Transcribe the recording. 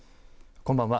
こんばんは。